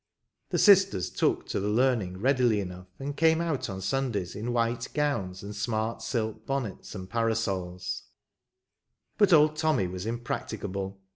The sisters took to the learning readily enough, and came out on Sundays in white gowns and smart silk bonnets and parasols ; but old Tommy was impracticable.